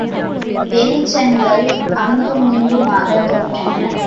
வெளிச்சங்கள் அங்குமிங்குமாகத் தோன்றின.